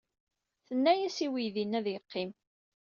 Tenna-as i weydi-nni ad yeqqim.